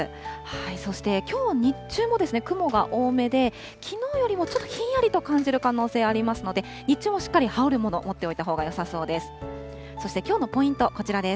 そして、きょう日中もですね、雲が多めで、きのうよりもちょっとひんやりと感じる可能性ありますので、日中もしっかり羽織るもの、持っておいたほうがよさそうです。